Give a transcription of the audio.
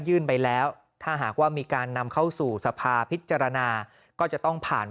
ไปแล้วถ้าหากว่ามีการนำเข้าสู่สภาพิจารณาก็จะต้องผ่าน